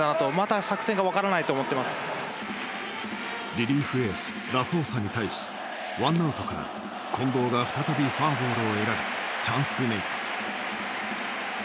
リリーフエースラソーサに対しワンアウトから近藤が再びフォアボールを選びチャンスメイク。